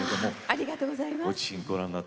ありがとうございます。